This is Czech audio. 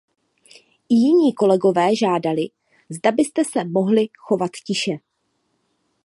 I jiní kolegové žádali, zda byste se mohli chovat tiše.